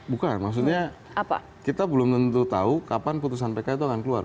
bukan maksudnya kita belum tentu tahu kapan putusan pk itu akan keluar